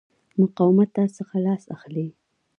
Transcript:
مقاومته څخه لاس اخلي.